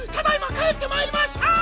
かえってまいりました！